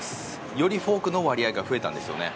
よりフォークの割合が増えたんですよね。